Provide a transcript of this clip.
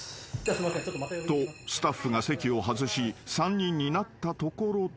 ［とスタッフが席を外し３人になったところで］